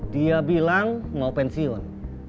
dia bilang mau pensiun